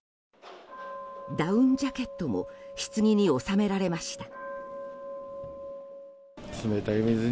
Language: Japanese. ダウンジャケットも棺に納められました。